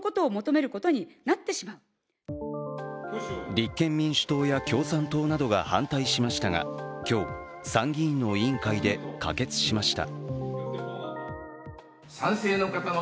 立憲民主党や共産党などが反対しましたが今日、参議院の委員会で可決しました。